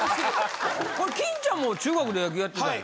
これ金ちゃんも中学で野球やってたの？